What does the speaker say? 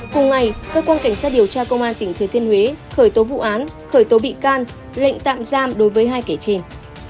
cùng ngày cơ quan cảnh sát điều tra công an tỉnh thừa thiên huế khởi tố vụ án khởi tố bị can lệnh tạm giam đối với hai kẻ trên